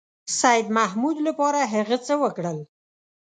سیدمحمود لپاره هغه څه وکړل.